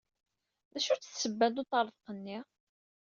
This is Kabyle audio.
D acu-tt tsebba n uṭṭerḍeq-nni?